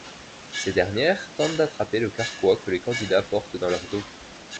Ces dernières tentent d'attraper le carquois que les candidats portent dans leur dos.